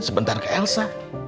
sebentar ke elsa